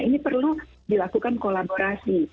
ini perlu dilakukan kolaborasi